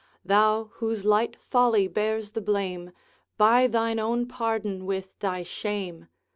Thou, whose light folly bears the blame, Buy thine own pardon with thy shame!